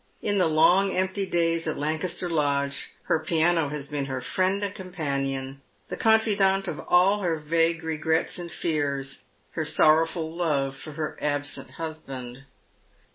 In the long empty days at Lan caster Lodge her piano has been her friend and companion, the confidante of all her vague regrets and feacs, — her sorrowful love for her absent husband.